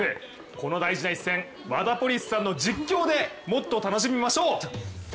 この大事な一戦ワダポリスさんの実況でもっと楽しみましょう！